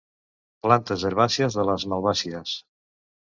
Plantes herbàcies de les malvàcies.